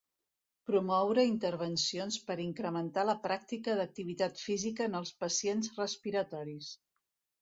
Promoure intervencions per incrementar la pràctica d'activitat física en els pacients respiratoris.